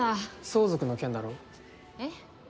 相続の件だろ？え？